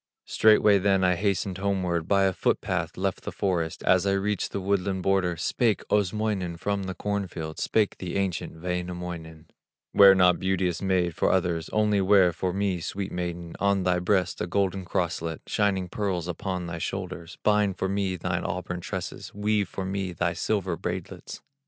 Straightway then I hastened homeward, By a foot path left the forest; As I reached the woodland border Spake Osmoinen from the cornfield, Spake the ancient Wainamoinen: 'Wear not, beauteous maid, for others, Only wear for me, sweet maiden, On thy breast a golden crosslet, Shining pearls upon thy shoulders, Bind for me thine auburn tresses, Weave for me thy silver braidlets.